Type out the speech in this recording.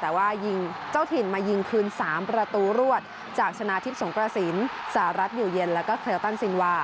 แต่ว่าเจ้าถิ่นมายิงคืน๓ประตูรวดจากชนะทิพย์สงกระศิลป์สหรัฐเหนียวเย็นแล้วก็เคลียลตั้นซินวา